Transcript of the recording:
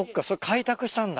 開拓したんだ。